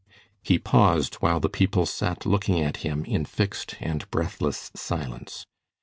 He paused while the people sat looking at him in fixed and breathless silence.